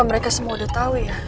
mereka semua udah tahu ya